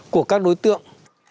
của các đối tượng